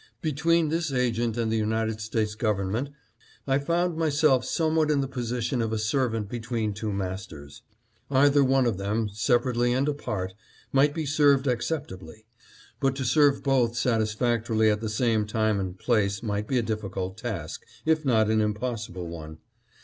Between this agent and the United States Government I found myself some what in the position of a servant between two masters ; either one of them, separately and apart, might be served acceptably; but to serve both satisfactorily at the same time and place might be a difficult task, if not an impossible one.